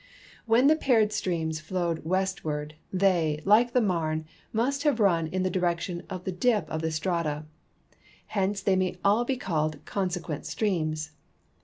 When the paired streams flowed westward, they, like the Marne, must have run in the direction of the dip of the strata; hence they mav all be called consequent streams.